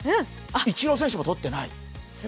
イチロー選手も取ってない。